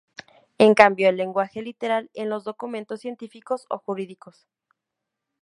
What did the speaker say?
En cambio, el lenguaje literal en los documentos científicos o jurídicos.